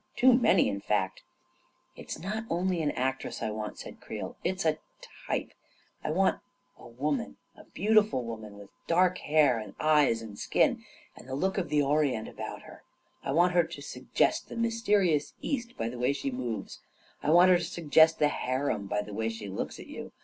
4< Too many, in fact." 44 It's not only an actress I want," said Creel ; 44 it's a type, I want a woman, — a beautiful woman — A KING IN BABYLON 29 with dark hair and eyes and skin, and the look of the Orient about her. I want her to suggest the \ Mysterious East by the way she moves; I want her to suggest the harem by the way she looks at you.